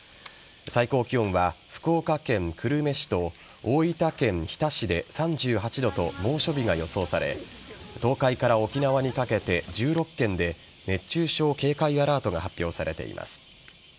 最高気温は福岡県久留米市と大分県日田市で３８度と猛暑日が予想され東海から沖縄にかけて１６県で熱中症警戒アラートが発表されています。